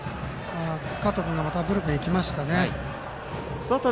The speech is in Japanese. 加藤君がまたブルペン行きましたね。